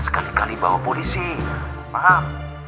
sekali kali bawa polisi maaf